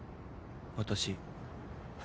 私。